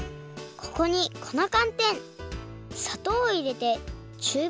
ここにこなかんてんさとうをいれてちゅう